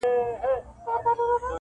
څه دي زده نه کړه د ژوند په مدرسه کي,